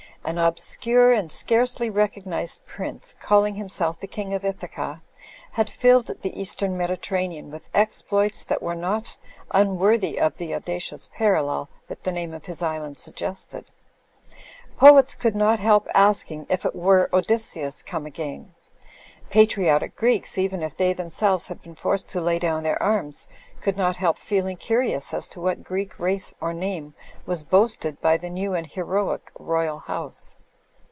An obscure and scarcely recognized prince calling himself the King of Ithaca had filled the East em Mediterranean with exploits that were not im worthy of the audacious parallel that the name of his island suggested. Poets could not help asking if it were Odysseus come again; patriotic Greeks, even if they themselves had been forced to lay down their arms, could not help feeling curious as to what Greek race or name was boasted by the new and heroic royal house.